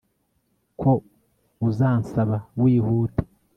ko uzansaba wihuta